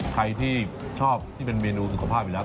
ใครที่ชอบที่เป็นเมนูสุขภาพอยู่แล้ว